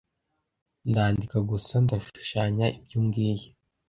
ndandika gusa ndashushanya ibyo umbwiye